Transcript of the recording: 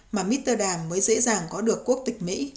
mà mitterdam mới dễ dàng có được quốc tịch mỹ